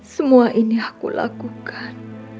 semua ini aku lakukan